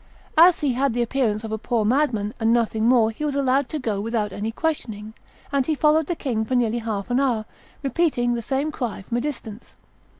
As he had the appearance of a poor madman, and nothing more, he was allowed to go without any questioning, and he followed the king for nearly half an hour, repeating the same cry from a distance.